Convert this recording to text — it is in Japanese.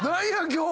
今日。